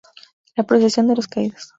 La procesión de los caídos.